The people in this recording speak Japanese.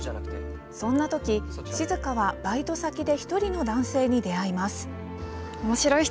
そんなとき、静はバイト先で１人の男性に出会います。